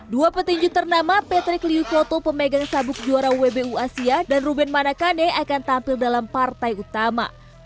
dua petinju ternama patrick liukhoto pemegang sabuk juara wbu asia dan ruben manakane akan tampil dalam partai utama